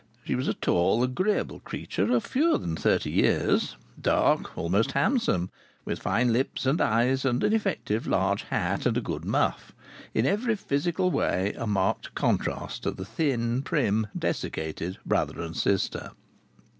She was a tall, agreeable creature of fewer than thirty years, dark, almost handsome, with fine lips and eyes, and an effective large hat and a good muff. In every physical way a marked contrast to the thin, prim, desiccated brother and sister.